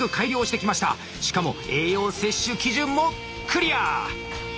しかも栄養摂取基準もクリア！